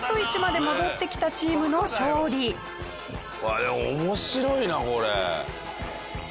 あっでも面白いなこれ。